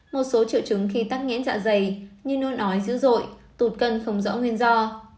một số triệu chứng khi tắc nghẽn dạ dày như nôn ói dữ dội tụt cân không rõ nguyên do